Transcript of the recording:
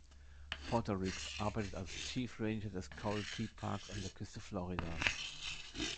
Porter Ricks arbeitet als Chief Ranger des Coral Key Parks an der Küste Floridas.